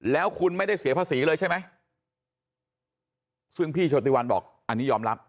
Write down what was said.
แล้วคุณไม่ได้เสียภาษีเลยใช่ไหมซึ่งพี่โชติวันบอกอันนี้ยอมรับ